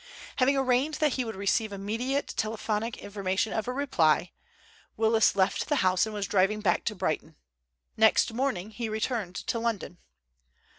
Having arranged that he would receive immediate telephonic information of a reply, Willis left the house and was driven back to Brighton. Next morning he returned to London.